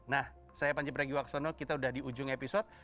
nah saya panji bragiwaksono kita sudah di ujung episode